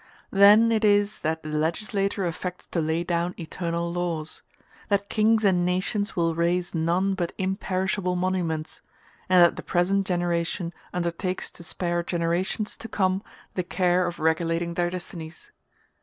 Then it is that the legislator affects to lay down eternal laws; that kings and nations will raise none but imperishable monuments; and that the present generation undertakes to spare generations to come the care of regulating their destinies.